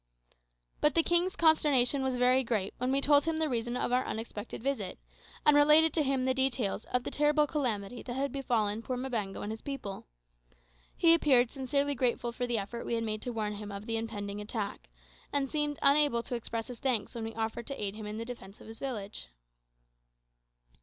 But the king's consternation was very great when we told him the reason of our unexpected visit, and related to him the details of the terrible calamity that had befallen poor Mbango and his people. He appeared sincerely grateful for the effort we had made to warn him of the impending attack, and seemed unable to express his thanks when we offered to aid him in the defence of his village.